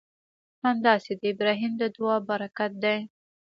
همداسې د ابراهیم د دعا برکت دی.